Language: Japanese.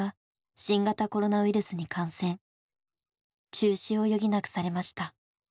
中止を余儀なくされました。